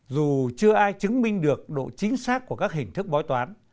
dù chưa ai chứng minh được độ chính xác của các hình thức bói toán